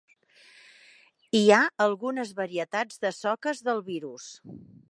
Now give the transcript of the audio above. Hi ha algunes varietats de soques del virus.